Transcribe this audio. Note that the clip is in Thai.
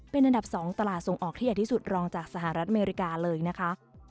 เป็นอันดับ๒ตลาดส่งออกที่ใหญ่ที่สุดรองจากสหรัฐอเมริกาเลยนะคะ